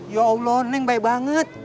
ya allah neng baik banget